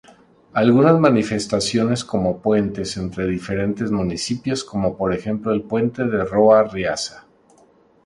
Algunas manifestaciones como puentes entre diferentes municipios como por ejemplo el puente de Roa-Riaza.